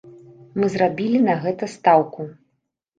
Мы зрабілі на гэта стаўку.